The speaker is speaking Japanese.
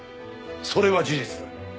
それは事実だ。